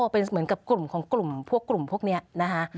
เป็นเหมือนกับกลุ่มของกลุ่มพวกกลุ่มพวกนี้นะคะ